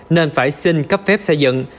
nên phải xin cấp phép xây dựng